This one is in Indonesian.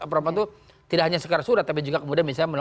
apalagi itu tidak hanya sekarang sudah tapi juga kemudian misalnya